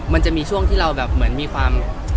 มันจะมีช่วงที่เราแบบเหมือนมีความ